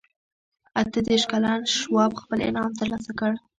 اته دېرش کلن شواب خپل انعام ترلاسه کړ